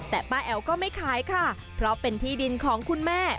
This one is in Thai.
แต่ป้าแอ๋วก็ไม่ขายค่ะเพราะเป็นที่ดินของคุณแม่